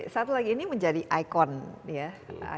satu lagi ini menjadi ikon ya